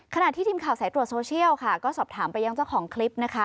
ขณะที่ทีมข่าวสายตรวจโซเชียลค่ะก็สอบถามไปยังเจ้าของคลิปนะคะ